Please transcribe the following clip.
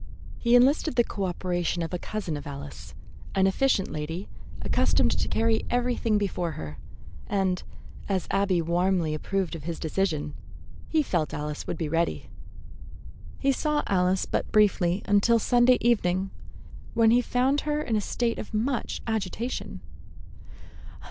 He enlisted the coöperation of a cousin of Alice, an efficient lady accustomed to carry everything before her, and, as Abby warmly approved of his decision, he felt that Alice would be ready. He saw Alice but briefly until Sunday evening, when he found her in a state of much agitation.